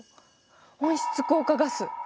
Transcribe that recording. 温室効果ガス！